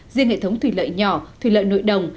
riêng hệ thống thủy lợi nhỏ thủy lợi nội đồng